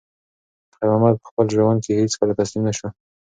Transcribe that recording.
خیر محمد په خپل ژوند کې هیڅکله تسلیم نه شو.